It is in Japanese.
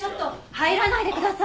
入らないでください。